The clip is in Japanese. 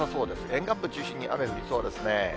沿岸部中心に雨降りそうですね。